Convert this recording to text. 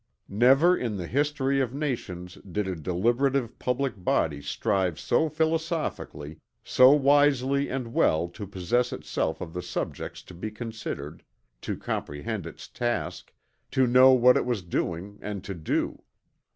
Never in the history of nations did a deliberative public body strive so philosophically, so wisely and well to possess itself of the subjects to be considered to comprehend its task to know what it was doing and to do.